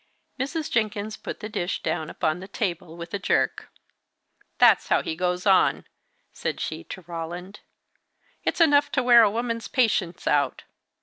Mrs. Jenkins put the dish down upon the table with a jerk. "That's how he goes on," said she to Roland. "It's enough to wear a woman's patience out!